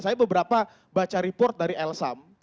saya beberapa baca report dari elsam